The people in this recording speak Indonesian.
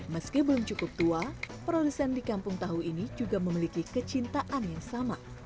meski belum cukup tua produsen di kampung tahu ini juga memiliki kecintaan yang sama